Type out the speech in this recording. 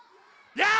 「やあ」